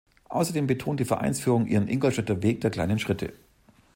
Außerdem betont die Vereinsführung ihren „Ingolstädter Weg“ der kleinen Schritte.